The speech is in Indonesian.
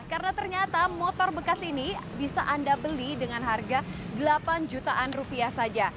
karena ternyata motor bekas ini bisa anda beli dengan harga delapan jutaan rupiah saja